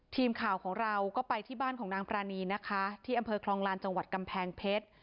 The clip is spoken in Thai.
ทีมข่าวของเราก็ไปที่บ้านของนางปรานีนะคะที่อำเภอคลองลานจังหวัดกำแพงเพชร